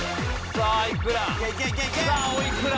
さあおいくら？